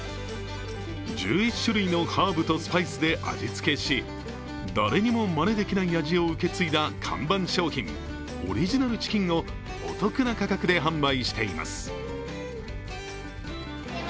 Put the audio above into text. １１種類のハーブとスパイスで味付けし誰にもまねできない味を受け継いだ看板商品オリジナルチキンをお得な価格で販売しています。